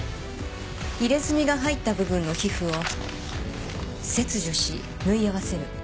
入れ墨が入った部分の皮膚を切除し縫い合わせる。